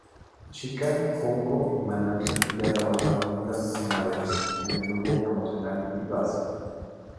Chika, Junko y Manami ya trabajaron juntas en "Avex" en el grupo promocional "Vivace".